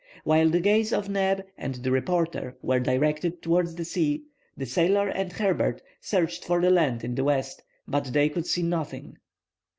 While the gaze of Neb and the reporter was directed towards the sea, the sailor and Herbert searched for the land in the west; but they could see nothing.